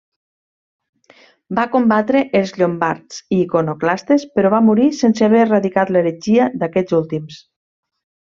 Va combatre els llombards i iconoclastes però va morir sense haver erradicat l'heretgia d'aquests últims.